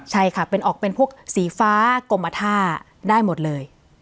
ใช่ค่ะเป็นออกเป็นพวกสีฟ้ากรมท่าได้หมดเลย